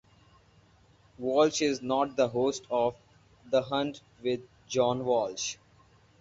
Walsh is now the host of "The Hunt with John Walsh".